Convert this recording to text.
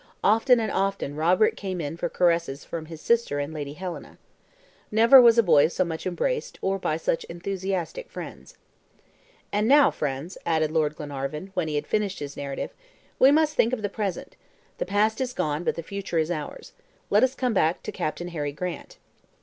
Often and often Robert came in for caresses from his sister and Lady Helena. Never was a boy so much embraced, or by such enthusiastic friends. "And now, friends," added Lord Glenarvan, when he had finished his narrative, "we must think of the present. The past is gone, but the future is ours. Let us come back to Captain Harry Grant."